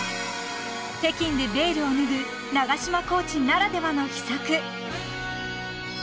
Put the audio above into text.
［北京でベールを脱ぐ長島コーチならではの秘策］